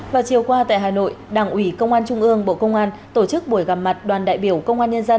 và chiều qua tại hà nội đảng ủy công an trung ương bộ công an tổ chức buổi gặp mặt đoàn đại biểu công an nhân dân